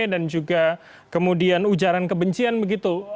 dan juga kemudian ujaran kebencian begitu